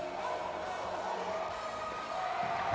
สวัสดีครับทุกคน